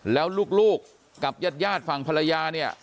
แล้วลูกกับญาติฝั่งภรรยาเนี่ย